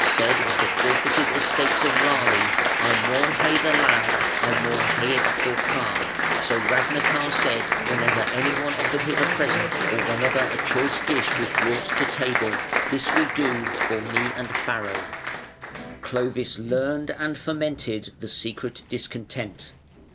said of the forfeited estates of Raleigh: "I maun hae the land, I maun hae it for Carr", so Ragnachar said whenever anyone offered him a present, or whenever a choice dish was brought to table: "This will do for me and Farro". Clovis learned and fomented the secret discontent.